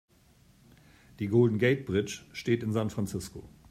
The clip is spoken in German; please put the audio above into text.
Die Golden Gate Bridge steht in San Francisco.